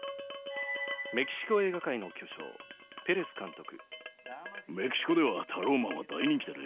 メキシコ映画界の巨匠ペレス監督